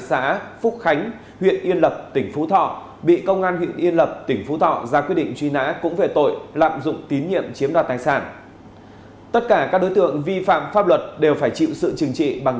xin chào tất cả các bạn